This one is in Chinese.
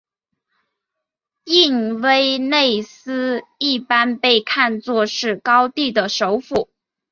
印威内斯一般被看作是高地的首府。